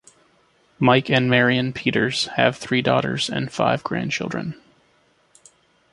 Mike and Marian Peters have three daughters and five grandchildren.